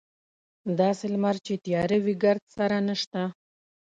داسې لمر چې تیاره وي ګردسره نشته.